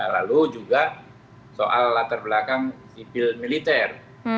lalu juga soal latar belakang sipil militer